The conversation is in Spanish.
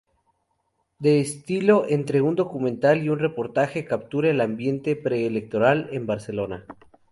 De estilo entre un documental y un reportaje, captura el ambiente preelectoral en Barcelona.